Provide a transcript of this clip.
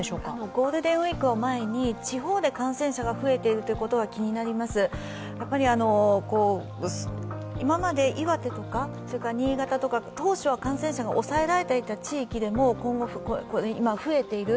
ゴールデンウイークを前に地方で感染者が増えているということが気になります、今まで岩手とか新潟とか当初は感染者が抑えられていた地域でも今、増えている。